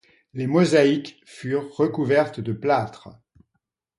Les mosaïques furent recouvertes de plâtre.